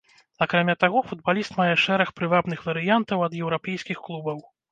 Акрамя таго, футбаліст мае шэраг прывабных варыянтаў ад еўрапейскіх клубаў.